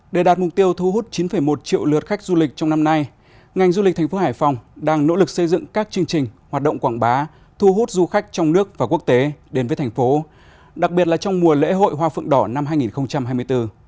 để đạt mục tiêu thu hút chín một triệu lượt khách du lịch trong năm nay ngành du lịch thành phố hải phòng đang nỗ lực xây dựng các chương trình hoạt động quảng bá thu hút du khách trong nước và quốc tế đến với thành phố đặc biệt là trong mùa lễ hội hoa phượng đỏ năm hai nghìn hai mươi bốn